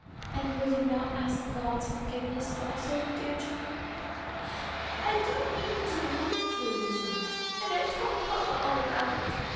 "And will you not ask God's forgiveness, also, dear child?" "I do mean to," Lulu said. "And I've told papa all about it.